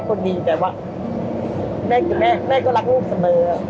ก็ว่าแม่ก็รักลูกเสมอ